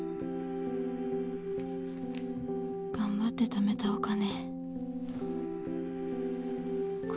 頑張って貯めたお金。